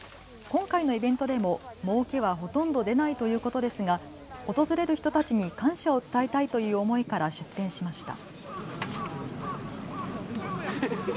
今回のイベントでももうけはほとんど出ないということですが訪れる人たちに感謝を伝えたいという思いから出店しました。